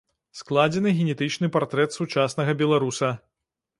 Складзены генетычны партрэт сучаснага беларуса.